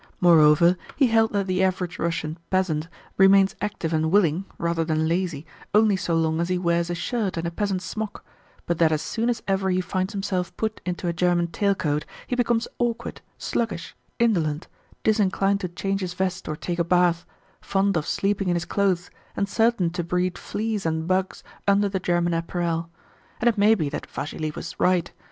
Moreover, he held that the average Russian peasant remains active and willing (rather than lazy) only so long as he wears a shirt and a peasant's smock; but that as soon as ever he finds himself put into a German tailcoat, he becomes awkward, sluggish, indolent, disinclined to change his vest or take a bath, fond of sleeping in his clothes, and certain to breed fleas and bugs under the German apparel. And it may be that Vassili was right.